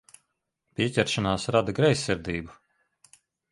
Pieķeršanās rada greizsirdību.